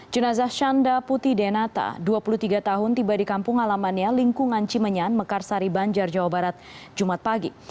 jenazah shanda putih denata dua puluh tiga tahun tiba di kampung halamannya lingkungan cimenyan mekarsari banjar jawa barat jumat pagi